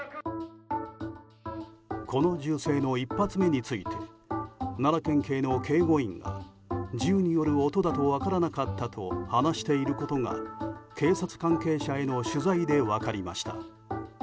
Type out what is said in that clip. この銃声の１発目について奈良県警の警護員が銃による音だと分からなかったと話していることが警察関係者への取材で分かりました。